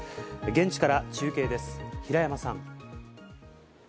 現地から中継です、平山さん。